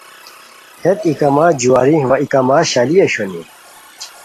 ہیت ای کما جُواری وا ای کما شالی اوشونی